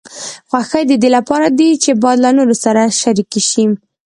خوښي د دې لپاره ده چې باید له نورو سره شریکه شي.